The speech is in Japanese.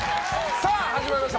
さあ、始まりました。